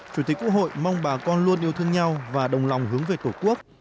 chủ tịch quốc hội mong bà con luôn yêu thương nhau và đồng lòng hướng về tổ quốc